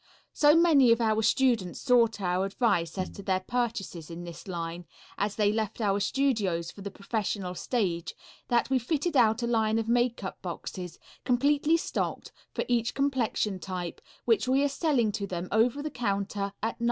So many of our students sought our advice as to their purchases in this line, as they left our studios for the professional stage, that we fitted out a line of makeup boxes, completely stocked, for each complexion type, which we are selling to them over the counter at $9.